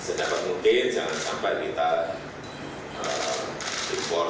sedapat mungkin jangan sampai kita impor